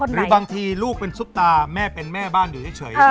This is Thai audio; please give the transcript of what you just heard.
หรือบางทีลูกเป็นซุปตาแม่เป็นแม่บ้านอยู่เฉย